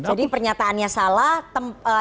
jadi pernyataannya salah tempatnya